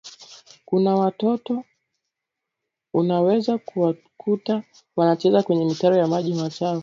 kuna watoto unaweza ukawakuta wanacheza kwenye mitaro ya maji machafu